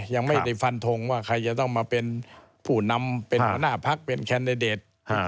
ยังไม่ได้ฟันทงว่าใครจะต้องมาเป็นผู้นำเป็นหัวหน้าพักเป็นแคนดิเดต